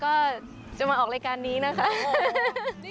ก็จะมาออกรายการนี้นะคะ